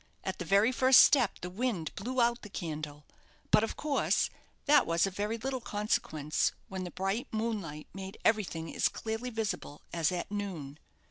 At the first step the wind blew out the candle; but, of course, that was of very little consequence when the bright moonlight made everything as clearly visible as at noon.